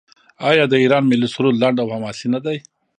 آیا د ایران ملي سرود لنډ او حماسي نه دی؟